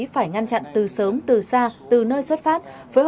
phải ngăn chặn từ sớm từ xa từ nơi xuất phát